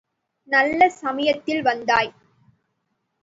நல்ல சமயத்தில் வந்தாய்.